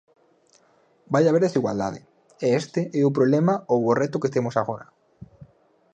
Vai haber desigualdade, e este é o problema ou o reto que temos agora.